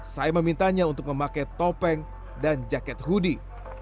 saya memintanya untuk memakai topeng dan jaket hoodie